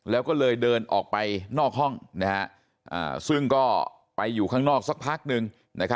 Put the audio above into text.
แล้วก็เลยเดินออกไปนอกห้องซึ่งก็ไปอยู่ข้างนอกสักพักนึง